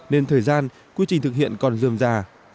nên thời gian quy trình thực hiện còn dườm già